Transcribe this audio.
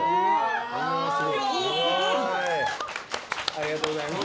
ありがとうございます。